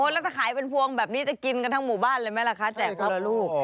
แล้วถ้าขายเป็นพวงแบบนี้จะกินกันทั้งหมู่บ้านเลยไหมล่ะคะแจกคนละลูก